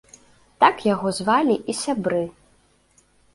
Так яго звалі і сябры.